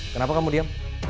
kenapa kamu diam